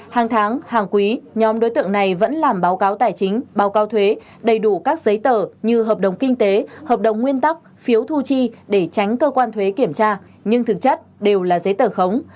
hàng tháng hàng quý nhóm đối tượng này vẫn làm báo cáo tài chính báo cáo thuế đầy đủ các giấy tờ như hợp đồng kinh tế hợp đồng nguyên tắc phiếu thu chi để tránh cơ quan thuế kiểm tra nhưng thực chất đều là giấy tờ khống